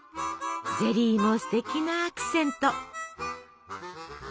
ゼリーもステキなアクセント。